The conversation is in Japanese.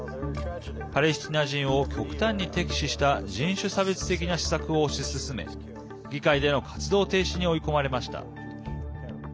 パレスチナ人を極端に敵視した人種差別的な施策を推し進め議会での活動停止に追い込まれました。